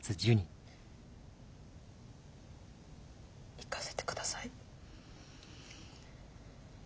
行かせて下さい。